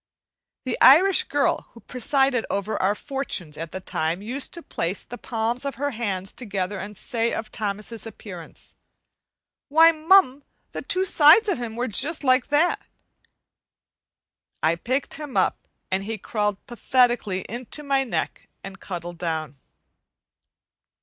The Irish girl who presided over our fortunes at the time used to place the palms of her hands together and say of Thomas's appearance, "Why, mum, the two sides of 'im were just like that." I picked him up, and he crawled pathetically into my neck and cuddled down.